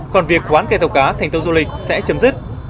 còn việc quán cây tàu cá thành tàu du lịch sẽ chấm dứt